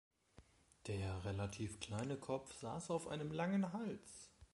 Der relativ kleine Kopf saß auf einem langen Hals.